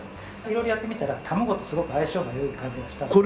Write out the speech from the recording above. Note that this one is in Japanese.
色々やってみたら卵とすごく相性が良い感じがしたので。